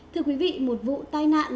thưa quý vị một vụ tai nạn